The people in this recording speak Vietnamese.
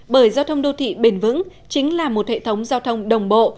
bởi giao thông đô thị bền vững chính là một hệ thống giao thông đồng bộ